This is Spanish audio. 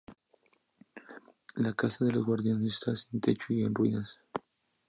La casa de los guardianes está sin techo y en ruinas.